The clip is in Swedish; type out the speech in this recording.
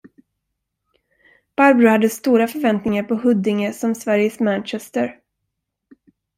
Barbro hade stora förväntningar på Huddinge som Sveriges Manchester.